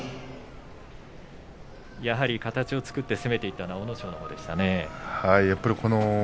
やはり形を作って攻めていったのは阿武咲ですね。